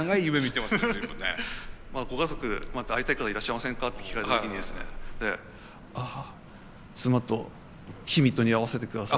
ご家族また会いたい方いらっしゃいませんかと聞かれた時ああ妻とキミトに会わせてください。